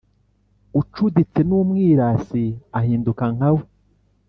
ucuditse n’umwirasi, ahinduka nka we